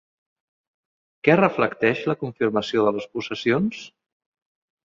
Què reflecteix la confirmació de les possessions?